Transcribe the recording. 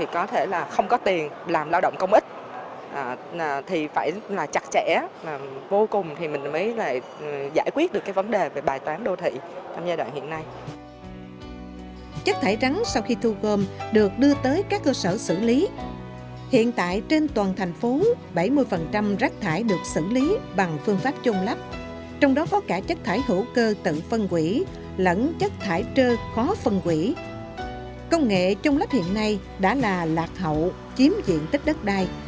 công nghệ trông lắp hiện nay đã là lạc hậu chiếm diện tích đất đai